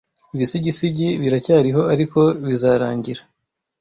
ibisigisigi biracyariho ariko bizarangira